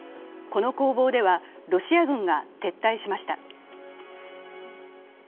この攻防ではロシア軍が撤退しました。